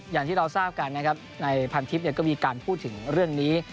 อย่างที่เราทราบกันนะครับในพันทิพย์ก็มีการพูดถึงเรื่องนี้